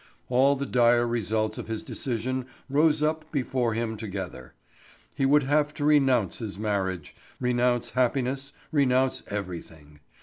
All the dire results of his decision rose up before him together. He would have to renounce his marriage, renounce happiness, renounce everything.